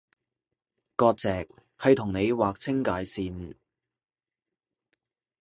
割蓆係同你劃清界線